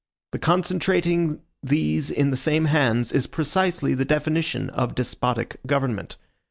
The concentrating these in the same hands, is precisely the definition of despotic government.